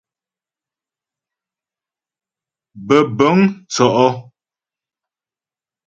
Bə̀bə̂ŋ tsɔ́' ɔ.